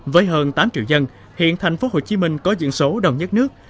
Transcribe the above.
với hơn tám triệu dân hiện thành phố hồ chí minh có diện số đồng nhất nước